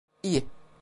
İyi...